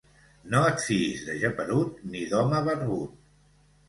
No et fiïs de geperut ni d'home barbut.